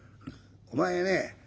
お前ね